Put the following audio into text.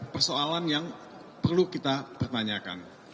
persoalan yang perlu kita pertanyakan